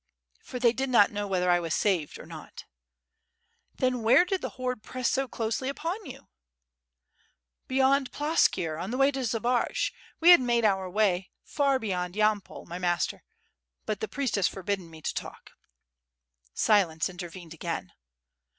"For they did not know whether 1 was saved or not." "Then where did the horde press so closely upon you?" "Beyond Ploskir, on the way to Zbaraj. We had made our way far beyond Yampol, my master, ... but the priest has forbidden me to talk." Silence intervened again.